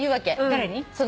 誰に？